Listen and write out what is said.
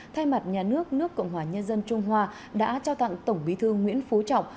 thay mặt nhà nước nước cộng hòa nhân dân trung hoa đã trao tặng tổng bí thư nguyễn phú trọng